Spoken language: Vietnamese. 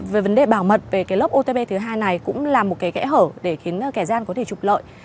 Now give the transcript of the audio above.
về vấn đề bảo mật về lớp otp thứ hai này cũng là một kẽ hở để khiến kẻ gian có thể chụp lợi